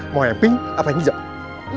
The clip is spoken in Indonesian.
mau yang pink apa yang hijau